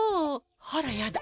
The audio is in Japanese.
あらやだ